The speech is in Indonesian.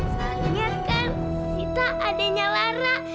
sebenarnya kan sita adanya lara